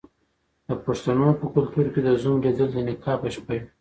د پښتنو په کلتور کې د زوم لیدل د نکاح په شپه وي.